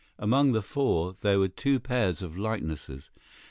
Among the four there were two pairs of likenesses.